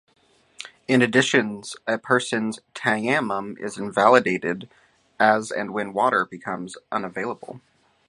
In addition, a person's "tayammum" is invalidated as and when water becomes available.